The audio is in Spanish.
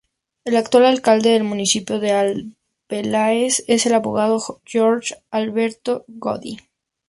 El actual Alcalde del municipio de Arbeláez es el abogado Jorge Alberto Godoy.